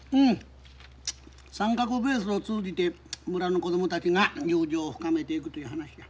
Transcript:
三角ベースを通じて村の子供たちが友情を深めていくという話や。